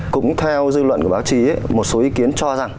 cũng theo dư luận của báo chí một số ý kiến cho rằng